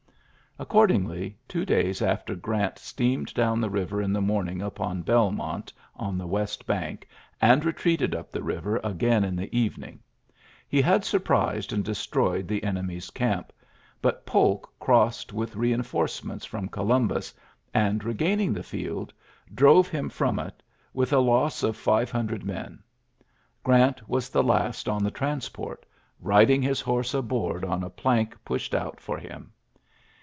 '' Accordingly, two days after Grant steamed down the river in the morning upon Belmont on the west bank, and retreated up the river * again in the evening. He had surprised and destroyed the enemy's camp j but Polk crossed with re enforcements from Columbus, and, regaining the field, drove him from it with a loss of five hundred 11 orary ^^oL 64 ULYSSES S. GEAOT? men. Orant was the last on the port, riding his horse aboard on t pushed out for him.